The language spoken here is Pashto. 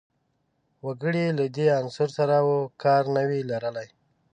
وګړي له دې عنصر سر و کار نه وي لرلای